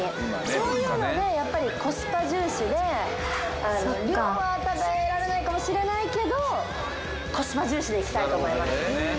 そういうのでやっぱりコスパ重視で量は食べられないかもしれないけどコスパ重視でいきたいと思います。